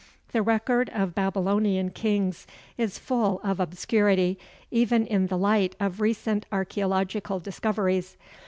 The record of Babylonian kings is full of obscurity, even in the light of recent archæological discoveries.